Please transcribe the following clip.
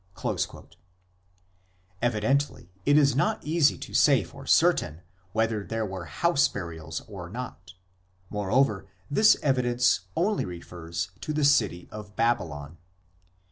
l Evidently it is not easy to say for certain whether there were house burials or not ; moreover this evidence only refers to the city of Babylon.